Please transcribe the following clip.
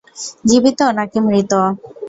জীবিত নাকি মৃত?